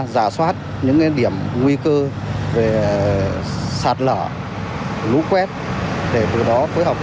giả soát những điểm nguy cơ